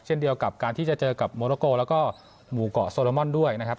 เช่นเดียวกับการที่จะเจอกับโมโนโกแล้วก็หมู่เกาะโซโลมอนด้วยนะครับ